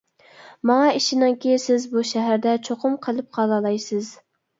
ماڭا ئىشىنىڭكى سىز بۇ شەھەردە چوقۇم قىلىپ قالالايسىز.